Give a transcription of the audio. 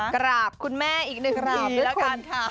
กราบคุณแม่อีกหนึ่งกราบด้วยละกันค่ะ